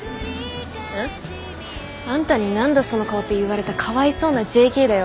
ん？あんたに「何だ？その顔」って言われたかわいそうなＪＫだよ。